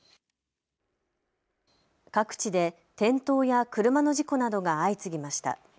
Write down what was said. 各地で転倒や車の事故などが相次ぎました。